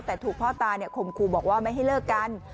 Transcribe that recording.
แต่ถูกพ่อตาข่มครูบอกว่าไม่ให้เลิกกัน